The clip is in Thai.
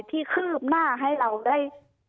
คืบหน้าให้เราได้